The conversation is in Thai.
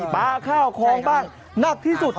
ปลาข้าวของบ้างหนักที่สุด